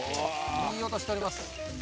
いい音しとります。